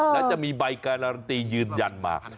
แล้วจะมีใบการันตียืนยันมา